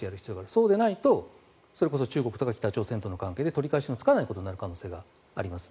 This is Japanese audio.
そうでないとそれこそ中国とか北朝鮮との関係で取り返しのつかない事態になる可能性があります。